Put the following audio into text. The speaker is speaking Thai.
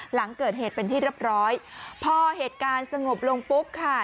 หลังเกิดเหตุเป็นที่เรียบร้อยพอเหตุการณ์สงบลงปุ๊บค่ะ